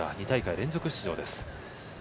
２大会連続出場です。